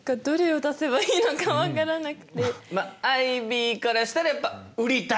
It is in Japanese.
まあアイビーからしたらやっぱ売りたいっていう。